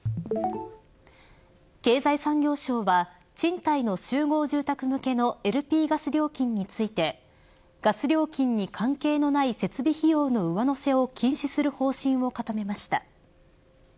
経済産業省は賃貸の集合住宅向けのＬＰガス料金についてガス料金に関係のない設備費用の上乗せを禁止する方針を固めました。